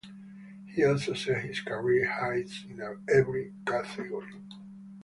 He also set his career highs in every category.